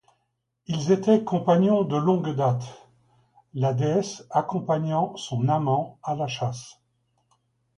Ils étaient compagnons de longue date, la déesse accompagnant son amant à la chasse.